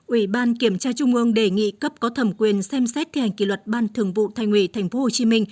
ủy ban kiểm tra trung ương đề nghị cấp có thẩm quyền xem xét thi hành kỷ luật ban thường vụ thành ủy tp hcm